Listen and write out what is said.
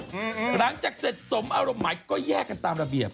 หลังจากเสร็จสมอารมณ์หมายก็แยกกันตามระเบียบ